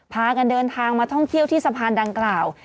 พากันเดินทางมาท่องเที่ยวที่สะพานดังกล่าว